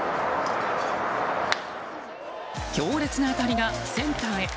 強烈な当たりがセンターへ。